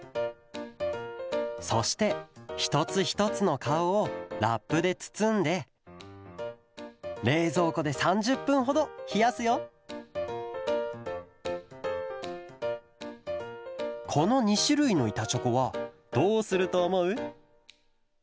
そしてひとつひとつのかおをラップでつつんでれいぞうこで３０ぷんほどひやすよこの２しゅるいのいたチョコはどうするとおもう？